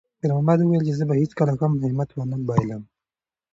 خیر محمد وویل چې زه به هیڅکله هم همت ونه بایللم.